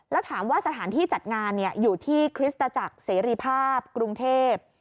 แล้วถามว่าสถานที่จัดงานอยู่ที่คริสตจักรเสรีภาพกรุงเทพ